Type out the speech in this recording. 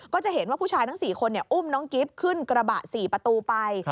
ก็จะเห็นว่าผู้ชายทั้ง๔คนอุ้มน้องกิฟต์ขึ้นกระบะ๔ประตูไป